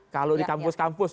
kalau di kampus kampus